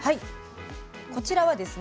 こちらはですね